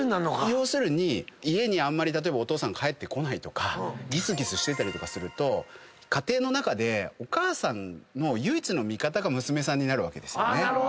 要するに家にあんまりお父さん帰ってこないとかぎすぎすしてたりとかすると家庭の中でお母さんの唯一の味方が娘さんになるわけですよね。